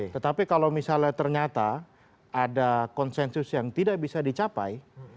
tetapi kalau misalnya ternyata ada konsensus yang tidak bisa dicapai